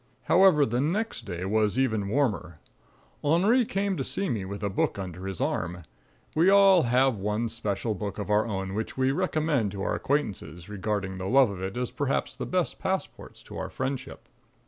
However the next day was even warmer. Henri came to see me with a book under his arm. We all have one special book of our own which we recommend to our acquaintances, regarding the love of it as perhaps the best passport to our friendship.